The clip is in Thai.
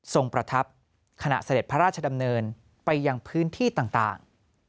ประทับขณะเสด็จพระราชดำเนินไปยังพื้นที่ต่าง